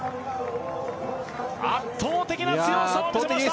圧倒的な強さを見せました